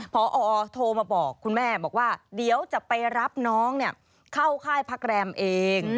พอโทรมาบอกคุณแม่บอกว่าเดี๋ยวจะไปรับน้องเข้าค่ายพักแรมเอง